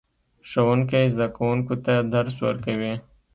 ښوونکی زده کوونکو ته درس ورکوي